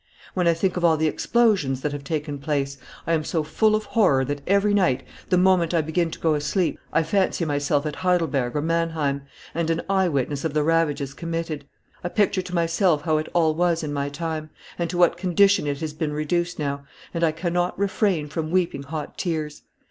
When I think of all the explosions that have taken place, I am so full of horror that every night, the moment I begin to go to sleep, I fancy myself at Heidelberg or Manheim, and an eye witness of the ravages committed. I picture to myself how it all was in my time, and to what condition it has been reduced now, and I cannot refrain from weeping hot tears.